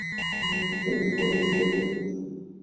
আমার মুখে অনেক বড় ফোঁড়ার মত উঠে।